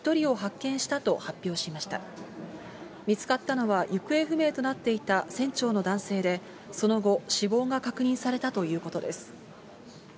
見つかったのは行方不明となっていた船長の男性で、その後、死亡が確認されたということです。